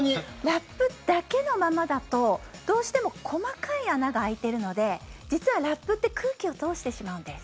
ラップだけのままだとどうしても細かい穴が開いてるので実はラップって空気を通してしまうんです。